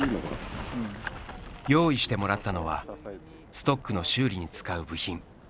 用意してもらったのはストックの修理に使う部品。